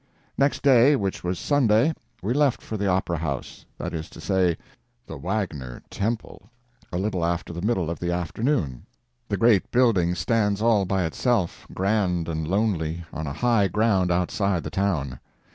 Next day, which was Sunday, we left for the opera house—that is to say, the Wagner temple—a little after the middle of the afternoon. The great building stands all by itself, grand and lonely, on a high ground outside the town.